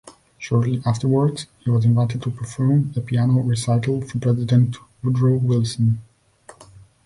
Shortly afterwards, he was invited to perform a piano recital for President Woodrow Wilson.